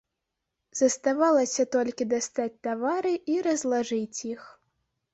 Заставалася толькі дастаць тавары і разлажыць іх.